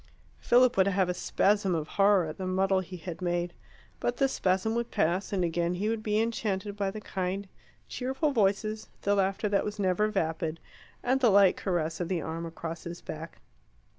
Philip would have a spasm of horror at the muddle he had made. But the spasm would pass, and again he would be enchanted by the kind, cheerful voices, the laughter that was never vapid, and the light caress of the arm across his back.